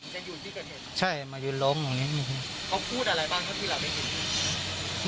จะหยุดที่กันเห็นใช่มายืนร้องตรงนี้เขาพูดอะไรบ้างเขาทีหลังได้ยิน